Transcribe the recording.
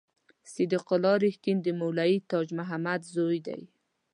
صدیق الله رښتین د مولوي تاج محمد زوی دی.